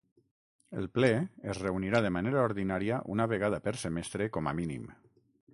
El ple es reunirà de manera ordinària una vegada per semestre com a mínim.